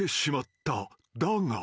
［だが］